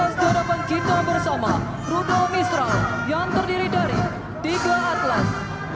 melintas jawaban kita bersama rudol misral yang terdiri dari tiga atlas